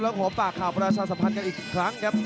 แล้วขอบปากข่าวพหัสทราบค์สัมภัณฑ์กันอีกครั้งนะครับ